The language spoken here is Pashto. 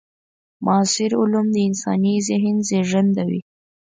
معاصر علوم د انساني ذهن زېږنده وي.